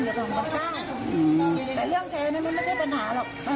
แต่ลุงจิตแกบอกว่าฝ่ายนี้ก็ถือค้าอยู่กัน